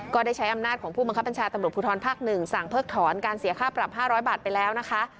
ก็ได้ใช้อำนาจของผู้บังคับบัญชาตำรวจภูทรภาค๑สั่งเพิกถอนการเสียค่าปรับ๕๐๐บาทไปแล้วนะคะ